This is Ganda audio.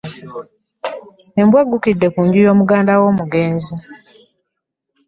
Embwa eggukidde ku nju ya muganda w'omugenzi